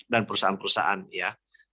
dan perusahaan perusahaan ya